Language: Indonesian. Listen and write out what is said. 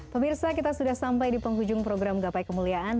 pemirsa kita sudah sampai di penghujung program gapai kemuliaan